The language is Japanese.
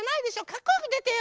かっこよくでてよ。